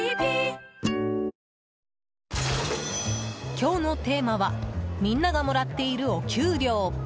今日のテーマはみんながもらっている、お給料。